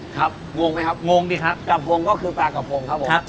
งงไหมครับงงดิครับกระพงก็คือปลากระพงครับผม